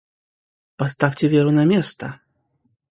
Поставьте Веру на место!